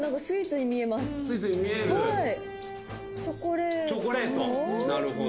スイーツに見える。